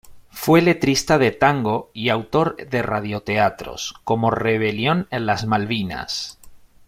Fue letrista de tango y autor de radioteatros, como "Rebelión en las Malvinas".